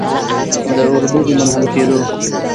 د اردو د منحل کیدو